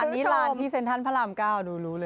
อันนี้ร้านที่เซ็นทันพระรามเก้าดูเลย